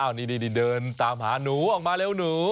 นี่เดินตามหาหนูออกมาเร็วหนู